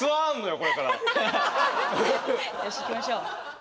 よしいきましょう。